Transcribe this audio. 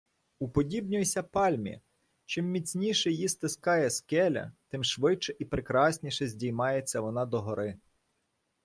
Уподібнюйся пальмі: чим міцніше її стискає скеля, тим швидше і прекрасніше здіймається вона догори.